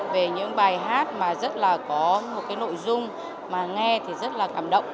về những bài hát mà rất là có một cái nội dung mà nghe thì rất là cảm động